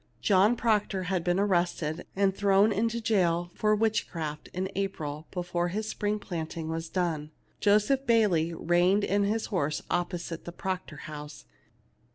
John Proctor had been ar rested and thrown into jail for witchcraft in April, before his spring planting was done. Joseph Bayley reined in his horse opposite the Proctor house.